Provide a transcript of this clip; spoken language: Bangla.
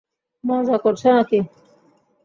মজা করছো নাকি?